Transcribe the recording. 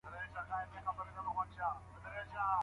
ولي کوښښ کوونکی د لوستي کس په پرتله لاره اسانه کوي؟